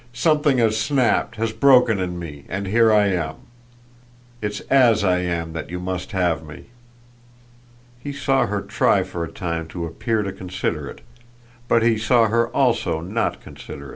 Something has snapped, has broken in me, and here I am. It's AS I am that you must have me." He saw her try for a time to appear to consider it; but he saw her also not consider it.